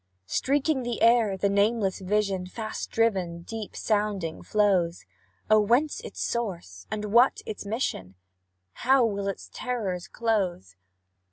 Streaking the air, the nameless vision, Fast driven, deep sounding, flows; Oh! whence its source, and what its mission? How will its terrors close?